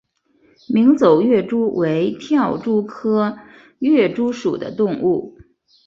鸣走跃蛛为跳蛛科跃蛛属的动物。